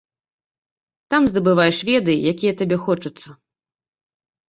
Там здабываеш веды, якія табе хочацца.